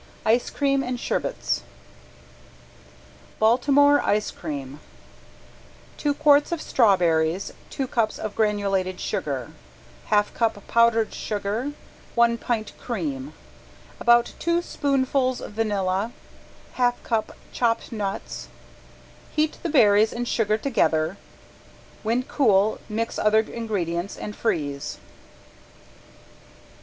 ICE CREAM AND SHERBETS ~BALTIMORE ICE CREAM~ Two quarts of strawberries, two cups of granulated sugar, half cup powdered sugar, one pint cream, about two spoonfuls vanilla, half cup chopped nuts, heat the berries and sugar together, when cool mix other ingredients and freeze.